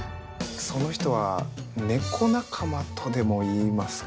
その人は猫仲間とでも言いますか。